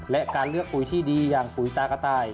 และการเลือกปุ๋ยที่ดีอย่างปุ๋ยตากระต่าย